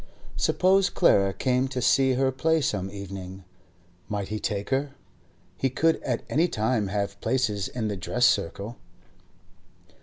Suppose Clara came to see her play some evening? Might he take her? He could at any time have places in the dress circle.